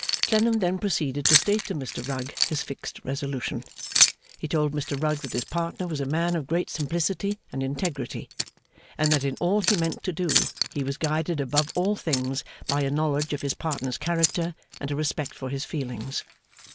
Clennam then proceeded to state to Mr Rugg his fixed resolution. He told Mr Rugg that his partner was a man of great simplicity and integrity, and that in all he meant to do, he was guided above all things by a knowledge of his partner's character, and a respect for his feelings.